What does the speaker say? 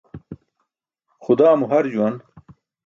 Xudaa mo har juwan.